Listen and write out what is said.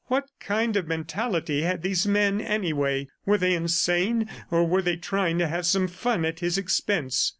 What kind of mentality had these men, anyway? Were they insane, or were they trying to have some fun at his expense?